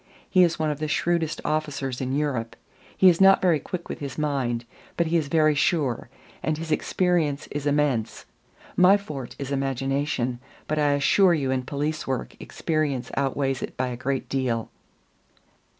He is one of the shrewdest officers in Europe. He is not very quick with his mind, but he is very sure. And his experience is immense. My forte is imagination, but I assure you in police work experience outweighs it by a great deal."